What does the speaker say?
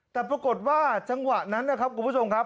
แต่ปรากฏว่าจังหวะนั้นนะครับคุณผู้ชมครับ